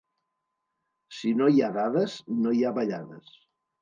Si no hi ha dades, no hi ha ballades.